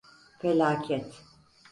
Felaket!